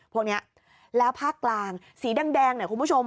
พวกนี้แล้วภาคกลางสีแดงเนี่ยคุณผู้ชม